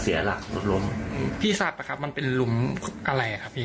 เสียหลักล้มพี่ทราบอะครับมันเป็นลุมอะไรอ่ะครับพี่